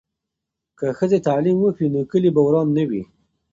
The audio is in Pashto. که ښځې تعلیم وکړي نو کلي به وران نه وي.